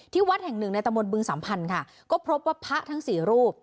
ที่วัดแห่งหนึ่งในตำรวจบึงสัมพันธ์ก็พบว่าพระทั้งสี่รูป